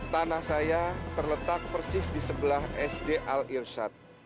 tanah saya terletak persis di sebelah sd al irshad